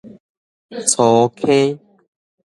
粗坑